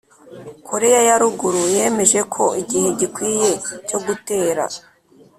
koreya ya ruguru yemeje ko igihe gikwiye cyo gutera.